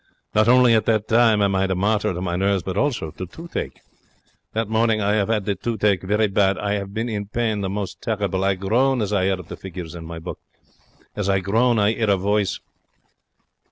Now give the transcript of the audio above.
Not only at that time am I the martyr to nerves, but also to toothache. That morning I 'ave 'ad the toothache very bad. I 'ave been in pain the most terrible. I groan as I add up the figures in my book. As I groan I 'ear a voice.